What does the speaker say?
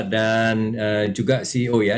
dan juga ceo ya